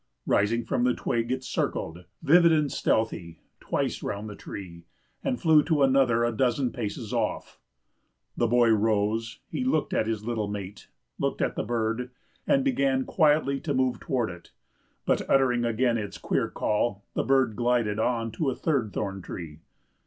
Rising from the twig, it circled, vivid and stealthy, twice round the tree, and flew to another a dozen paces off. The boy rose; he looked at his little mate, looked at the bird, and began quietly to move toward it; but uttering again its queer call, the bird glided on to a third thorn tree.